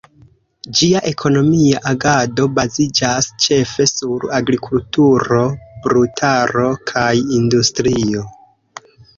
Ĝia ekonomia agado baziĝas ĉefe sur agrikulturo, brutaro kaj industrio.